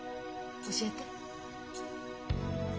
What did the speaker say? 教えて？